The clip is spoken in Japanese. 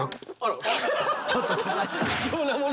ちょっと高橋さん！